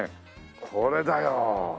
これだよ。